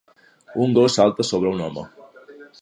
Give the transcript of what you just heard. Un gos salta sobre un home.